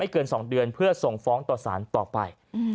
เกิน๒เดือนเพื่อส่งฟ้องต่อสารต่อไป